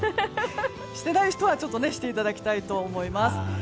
してない人はしていただきたいと思います。